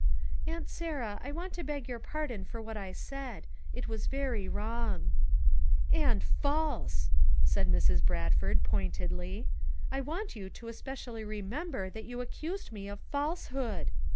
"Aunt Sarah, I want to beg your pardon for what I said ; it was very wrong." "And false," said Mrs. Bradford pointedly, "I want you to especially remember that you 118 FOUR MOTHERS AT CHAUTAUQUA accused ine of falsehood.